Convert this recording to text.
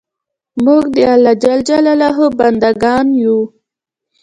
موږ د الله ج بندګان یو